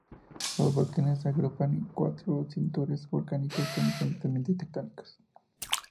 Los volcanes se agrupan en cuatro cinturones volcánicos con diferentes ambientes tectónicos.